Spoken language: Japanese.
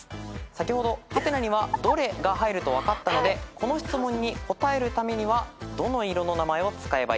先ほど「？」には「ドレ」が入ると分かったのでこの質問に答えるためにはどの色の名前を使えばいいか。